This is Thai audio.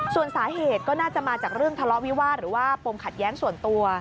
ส่วนสาเหตุก็น่าจะมาจากเรื่องทะเลาะวิวาสหรือว่าปมขัดแย้งส่วนตัว